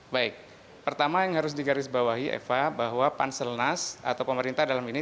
baik pertama yang harus digarisbawahi eva bahwa panselnas atau pemerintah dalam ini